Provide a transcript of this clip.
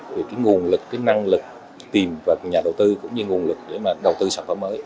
vì nguồn lực năng lực tìm và nhà đầu tư cũng như nguồn lực để đầu tư sản phẩm mới